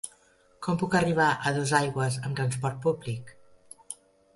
Com puc arribar a Dosaigües amb transport públic?